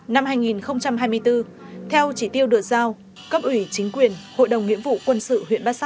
năm hai nghìn hai mươi bốn theo chỉ tiêu được giao cấp ủy chính quyền hội đồng nghĩa vụ quân sự huyện bát sát